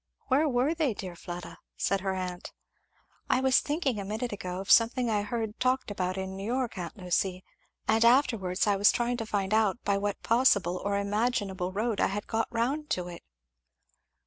"Where were they, dear Fleda?" said her aunt. "I was thinking a minute ago of something I heard talked about in New York, aunt Lucy; and afterwards I was trying to find out by what possible or imaginable road I had got round to it."